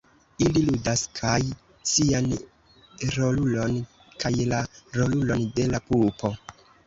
Ili ludas kaj sian rolulon kaj la rolulon de la pupo.